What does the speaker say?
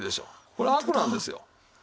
これアクなんですよ。